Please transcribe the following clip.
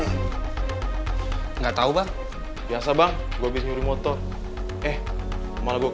enggak enggak enggak